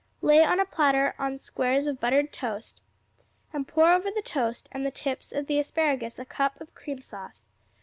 Lay on a platter on squares of buttered toast, and pour over the toast and the tips of the asparagus a cup of cream sauce.